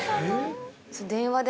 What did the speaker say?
電話で。